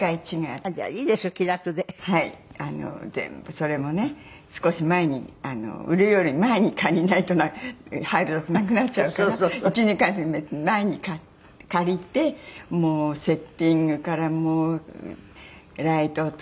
全部それもね少し前に売るより前に借りないと入るとこなくなっちゃうから１２カ月前に借りてもうセッティングからライトを付けてくれたりね